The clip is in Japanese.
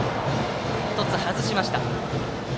１つ外してきました。